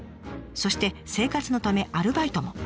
そして生活のためアルバイトも。